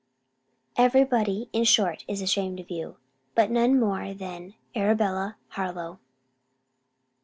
Every body, in short, is ashamed of you: but none more than ARABELLA HARLOWE.